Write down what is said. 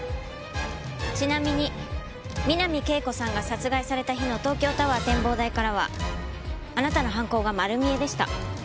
ちなみに三波圭子さんが殺害された日の東京タワー展望台からはあなたの犯行が丸見えでした。